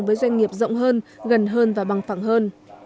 với doanh nghiệp rộng hơn gần hơn và bằng phẳng hơn